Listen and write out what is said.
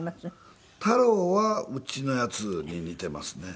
太郎はうちのヤツに似てますね。